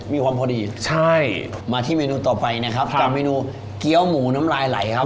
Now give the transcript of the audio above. มีความพอดีใช่มาที่เมนูต่อไปนะครับกับเมนูเกี้ยวหมูน้ำลายไหลครับ